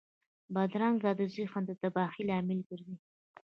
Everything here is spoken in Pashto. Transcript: بدرنګه ذهنونه د تباهۍ لامل ګرځي